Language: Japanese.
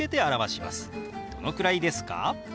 「どのくらいですか？」。